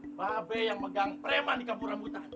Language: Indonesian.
mbak be yang megang preman di kampung rambutan